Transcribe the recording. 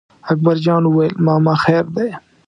اکبر جان وویل: ماما خیر دی.